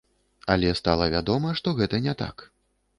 Але стала вядома, што гэта не так.